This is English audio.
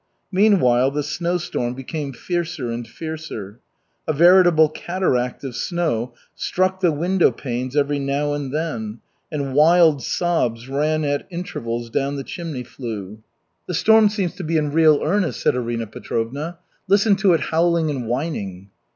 Meanwhile the snowstorm became fiercer and fiercer. A veritable cataract of snow struck the windowpanes every now and then, and wild sobs ran at intervals down the chimney flue. "The storm seems to be in real earnest," said Arina Petrovna. "Listen to it howling and whining."